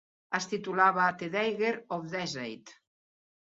Es titulava "The Dagger of Deceit".